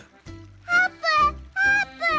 あーぷんあーぷん！